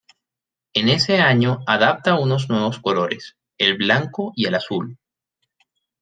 En ese año adapta unos nuevos colores, el blanco y el azul.